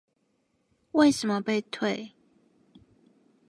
為什麼被退